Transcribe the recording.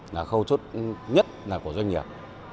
là khâu chốt nhất là của doanh nghiệp